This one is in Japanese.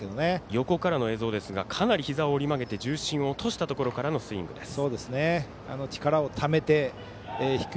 横からの映像ですがかなりひざを折りまげて重心を落としたところからスイングです。